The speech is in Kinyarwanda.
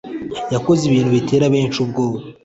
yakoze ibintu bitera benshi ubwoba